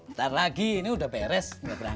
ntar lagi ini udah beres